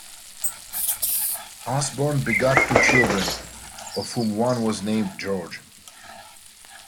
Osborne begot two children, of whom one was named George.